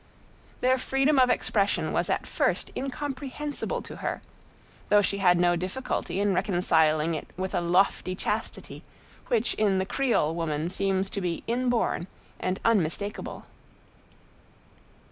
Their freedom of expression was at first incomprehensible to her, though she had no difficulty in reconciling it with a lofty chastity which in the Creole woman seems to be inborn and unmistakable.